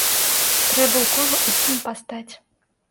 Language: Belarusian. Трэба ў кола ўсім пастаць.